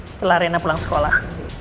setelah rena pulang sekolah